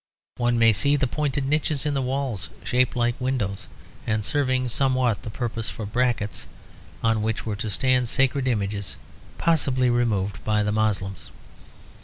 One may see the pointed niches in the walls, shaped like windows and serving somewhat the purpose of brackets, on which were to stand sacred images possibly removed by the Moslems.